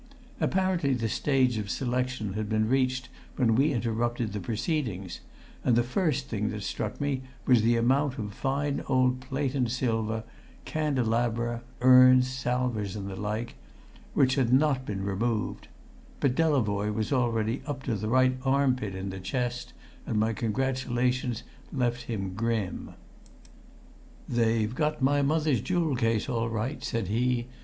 Apparently the stage of selection had been reached when we interrupted the proceedings, and the first thing that struck me was the amount of fine old plate and silver, candelabra, urns, salvers and the like, which had not been removed; but Delavoye was already up to the right armpit in the chest, and my congratulations left him grim. "They've got my mother's jewel case all right!" said he.